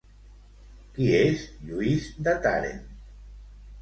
Qui és Lluís de Tàrent?